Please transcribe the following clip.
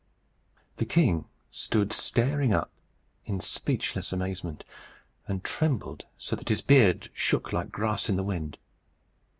The king stood staring up in speechless amazement, and trembled so that his beard shook like grass in the wind.